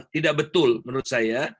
tidak betul menurut saya